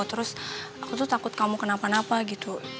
terus aku tuh takut kamu kenapa napa gitu